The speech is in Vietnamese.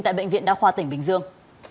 tại bệnh viện đa khoa tỉnh bình dương